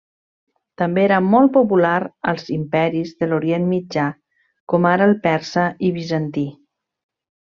També era molt popular als imperis de l'Orient Mitjà com ara el persa i bizantí.